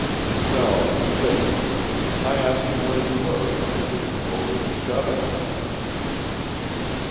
"No, he didn't. I asked him where you were, and I think he told me to shut up."